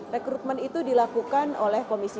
rekrutmen itu dilakukan oleh komisi